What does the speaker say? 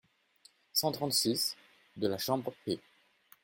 cent trente-six), de la chambre (p.